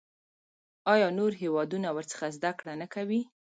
آیا نور هیوادونه ورڅخه زده کړه نه کوي؟